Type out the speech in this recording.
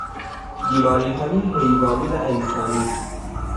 بیماریهای حیوانی و انسانی